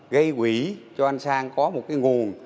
gây quỷ cho anh sang có một nguồn